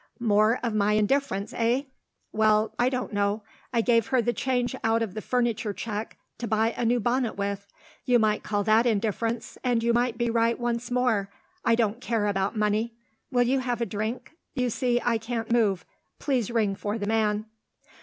_ More of my indifference eh? Well, I don't know. I gave her the change out of the furniture cheque, to buy a new bonnet with. You might call that indifference, and you might be right once more. I don't care about money. Will you have a drink? You see I can't move. Please ring for the man."